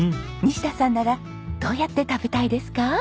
西田さんならどうやって食べたいですか？